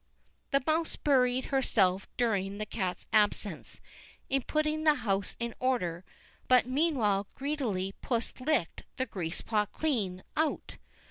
The mouse busied herself during the cat's absence in putting the house in order, but meanwhile greedy puss licked the grease pot clean out.